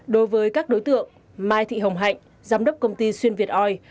đối với các đối tượng mai thị hồng hạnh giám đốc công ty xuyên việt oi